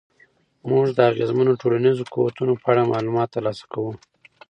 موږ د اغېزمنو ټولنیزو قوتونو په اړه معلومات ترلاسه کوو.